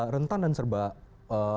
rentan dan serba